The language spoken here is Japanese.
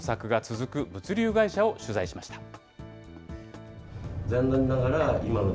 模索が続く物流会社を取材しました。